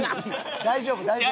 大丈夫大丈夫。